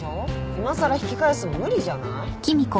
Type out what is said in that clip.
いまさら引き返すの無理じゃない？